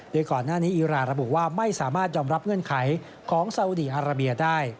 โดยก่อนหน้านี้อีราระบุว่าไม่สามารถยอมรับเงื่อนไขของซาอุดีอาราเบียได้